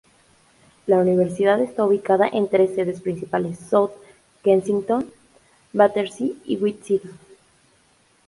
La universidad esta ubicada en tres sedes principales: South Kensington, Battersea y White City.